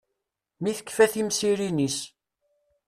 Mi tekfa timsirin-is.